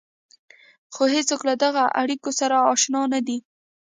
خو هېڅوک له دغو اړيکو سره اشنا نه دي.